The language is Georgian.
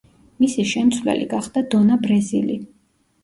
მისი შემცვლელი გახდა დონა ბრეზილი.